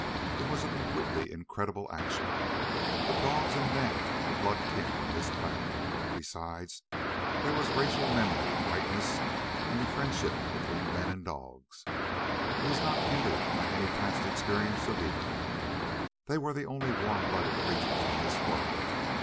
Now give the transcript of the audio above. It was a completely incredible action, but dogs and men were blood kin on this planet. Besides, there was racial memory rightness in friendship between men and dogs. It was not hindered by any past experience of either. They were the only warm blooded creatures on this world.